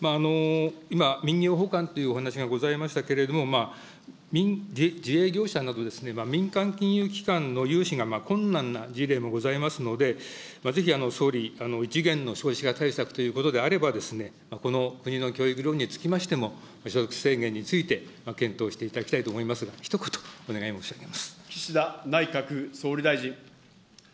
今、民業ほかんというお話がございましたけれども、自営業者など、民間金融機関の融資が困難な事例もございますので、ぜひ、総理、異次元の少子化対策ということであれば、この国の教育ローンにつきましても、所得制限について、検討していただきたいと思いますが、岸田内閣総理大臣。